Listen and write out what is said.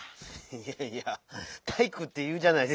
いやいや「たいく」っていうじゃないですか。